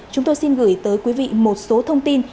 chúng tôi xin gửi tới quý vị một số thông tin